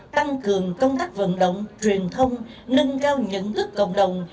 tăng cường công tác vận động truyền thông nâng cao nhận thức cộng đồng